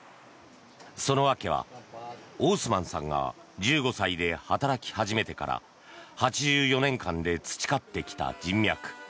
その訳は、オースマンさんが１５歳で働き始めてから８４年間で培ってきた人脈。